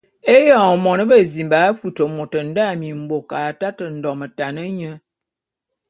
Éyoñ mône bezimba a futi môt nda mimbôk, a taté ndometan nye.